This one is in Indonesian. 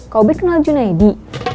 kaubet kenal junaedi